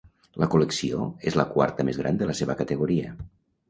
La col·lecció és la quarta més gran de la seva categoria.